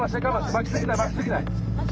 巻きすぎない巻きすぎない！